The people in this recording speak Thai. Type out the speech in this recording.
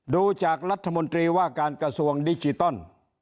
ดูจากรัฐมนตรีว่าการกระทรวงดิจิตอล